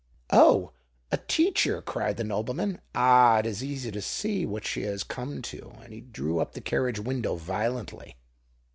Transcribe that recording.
"Oh! a teacher!" cried the nobleman. "Ah! it is easy to see what she has come to:"—and he drew up the carriage window violently.